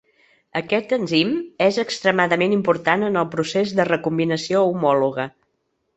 Aquest enzim és extremadament important en el procés de recombinació homòloga